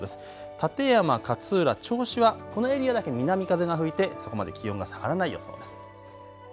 館山、勝浦、銚子はこのエリアだけ南風が吹いて、そこまで気温が下がらない予想です。